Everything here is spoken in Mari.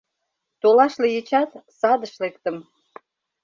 Толаш лийычат, садыш лектым